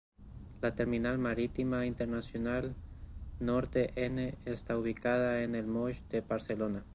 La Terminal marítima internacional Norte N está ubicada en el Moll de Barcelona.